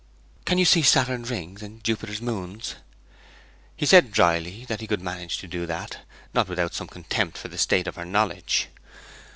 'Can you see Saturn's ring and Jupiter's moons?' He said drily that he could manage to do that, not without some contempt for the state of her knowledge.